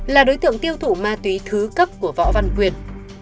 là đối tượng tiêu thụ ma túy thứ cấp của võ văn quyền